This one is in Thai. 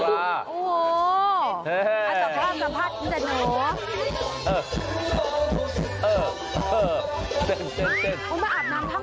มาอาบน้ำท่องคลองเหรอคะ